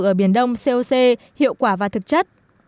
ở biển đông coc hiệu quả và thực chất